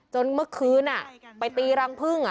จนเมื่อคืนอ่ะไปตีรังพึ่งอ่ะ